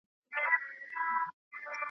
پر ټول ښار باندي تیاره د شپې خپره وه .